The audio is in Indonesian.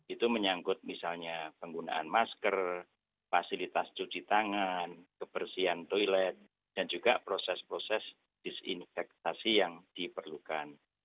itu menyangkut misalnya penggunaan masker fasilitas cuci tangan kebersihan toilet dan juga proses proses disinfektasi yang diperlukan